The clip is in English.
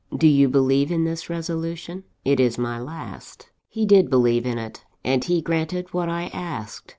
Do you believe in this resolution? it is my last. "He did believe in it; and he granted what I asked.